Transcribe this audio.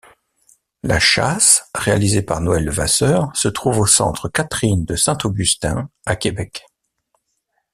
La châsse réalisée par Noël Levasseur se trouve au Centre Catherine-de-Saint-Augustin à Québec.